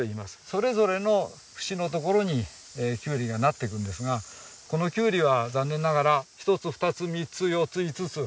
それぞれの節のところにキュウリがなっていくんですがこのキュウリは残念ながら１つ２つ３つ４つ５つ６つ。